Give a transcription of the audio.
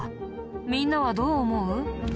みんなはどう思う？